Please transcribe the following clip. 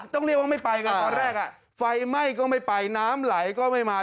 ต้องเรียกว่าไม่ไปไงตอนแรกไฟไหม้ก็ไม่ไปน้ำไหลก็ไม่มา